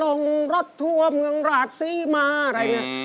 ล่องรถทั่วเมืองราสีมาอะไรเค